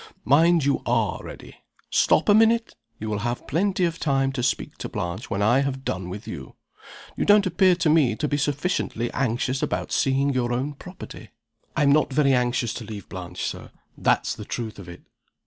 Mind you are ready. Stop a minute! you will have plenty of time to speak to Blanche when I have done with you. You don't appear to me to be sufficiently anxious about seeing your own property." "I am not very anxious to leave Blanche, Sir that's the truth of it."